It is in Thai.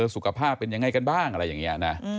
สุขภาพเป็นยังไงกันบ้างอะไรอย่างนี้นะ